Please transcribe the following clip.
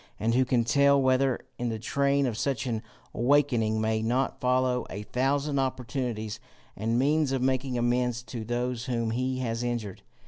And who can tell whether, in the train of such an awaking, may not follow a thousand opportunities and means of making amends to those whom he has injured?